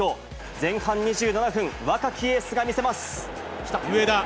前半２７分、若きエースが見せま上田。